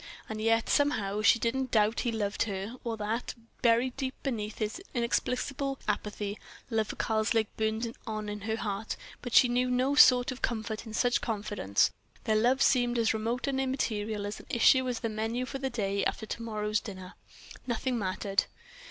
And yet, somehow, she didn't doubt he loved her or that, buried deep beneath this inexplicable apathy, love for Karslake burned on in her heart; but she knew no sort of comfort in such confidence, their love seemed as remote and immaterial an issue as the menu for day after to morrow's dinner. Nothing mattered!